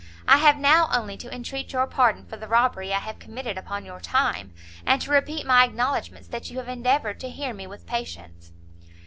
I have now only to entreat your pardon for the robbery I have committed upon your time, and to repeat my acknowledgments that you have endeavoured to hear me with patience."